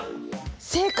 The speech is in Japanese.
正解！